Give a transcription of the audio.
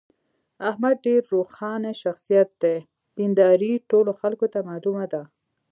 احمد ډېر روښاني شخصیت دی. دینداري ټولو خلکو ته معلومه ده.